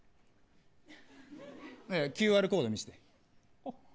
ＱＲコード見せて。